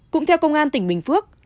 cũng theo công an tỉnh bình phước